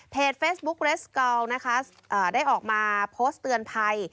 เฟซบุ๊กเรสเกาลนะคะได้ออกมาโพสต์เตือนภัย